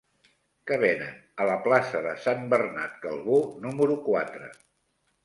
Què venen a la plaça de Sant Bernat Calbó número quatre?